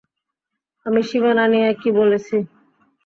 আমি সীমানা নিয়ে কি বলেছি?